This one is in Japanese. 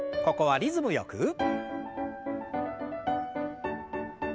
ここはリズムよく。